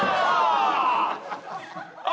あ！